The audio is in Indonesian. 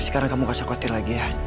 sekarang kamu kasih aku hati lagi ya